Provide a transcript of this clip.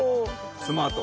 スマート！